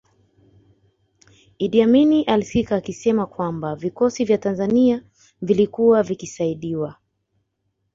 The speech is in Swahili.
Idi Amin alisikika akisema kwamba vikosi vya Tanzania vilikuwa vikisaidiwa